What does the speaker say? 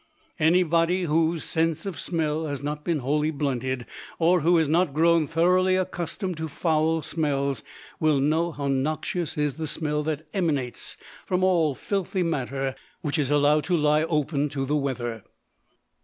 Anybody whose sense of smell has not been wholly blunted, or who has not grown thoroughly accustomed to foul smells will know how noxious is the smell that emanates from all filthy matter which is allowed to lie open to the weather.